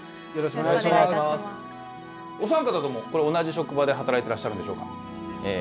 お三方ともこれ同じ職場で働いてらっしゃるんでしょうか？